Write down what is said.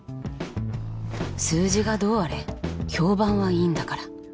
数字がどうあれ評判はいいんだから。